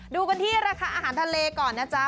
ดูกันที่ราคาอาหารทะเลก่อนนะจ๊ะ